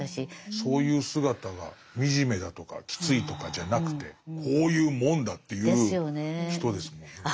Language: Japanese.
そういう姿が惨めだとかきついとかじゃなくてこういうもんだっていう人ですもんね。ですよね。